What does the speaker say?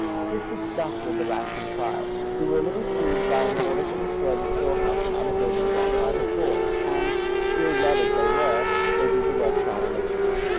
This disgusted the rank and file, who were a little soothed by an order to destroy the storehouse and other buildings outside the fort; and, ill led as they were, they did the work thoroughly.